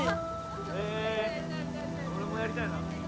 へぇ俺もやりたいな。